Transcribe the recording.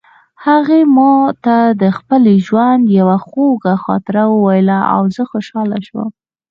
هغې ما ته د خپل ژوند یوه خوږه خاطره وویله او زه خوشحاله شوم